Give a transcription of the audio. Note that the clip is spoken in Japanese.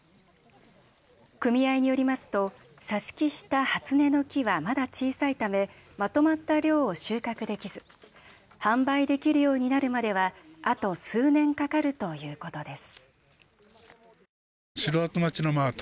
組合によりますと挿し木した初音の木はまだ小さいためまとまった量を収穫できず販売できるようになるまではあと数年かかるということです。